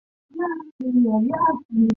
学制三年。